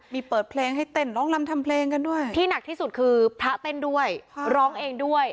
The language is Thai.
มีเปิดเพลงให้เต้นร้องลำทำเพลงกันด้วยที่หนักที่สุดคือพระเต้นด้วยร้องเองด้วย